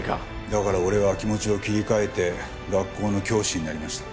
だから俺は気持ちを切り替えて学校の教師になりました。